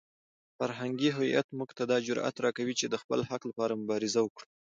فرهنګي هویت موږ ته دا جرئت راکوي چې د خپل حق لپاره مبارزه وکړو.